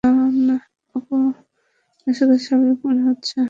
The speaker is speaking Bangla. তো এটা আপনাসের কাছে স্বাভাবিক মনে হচ্ছে?